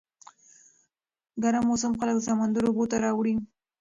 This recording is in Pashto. ګرم موسم خلک د سمندر اوبو ته راوړي.